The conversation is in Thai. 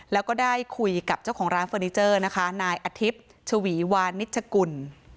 แล้วก็ได้คุยกับเจ้าของร้านเฟอร์นิเจอร์นะคะนายอาทิตย์ชวีวานิชกุล